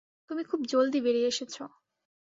তুমি খুব জলদি বেরিয়ে এসেছ।